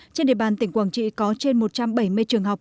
trên địa bàn tỉnh quảng trị có trên một trăm bảy mươi trường học